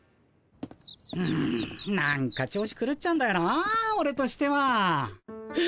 うんなんか調子くるっちゃうんだよなオレとしては。え？